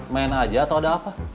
main aja atau ada apa